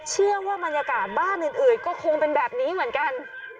เชื่อว่าบรรยากาศบ้านอื่นก็คงเป็นแบบนี้เหมือนกัน